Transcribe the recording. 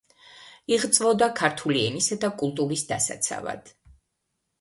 იღვწოდა ქართული ენისა და კულტურის დასაცავად.